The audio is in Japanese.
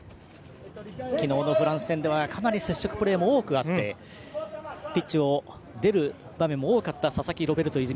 昨日のフランス戦ではかなり接触プレーも多くあってピッチを出る場面も多かった佐々木ロベルト泉。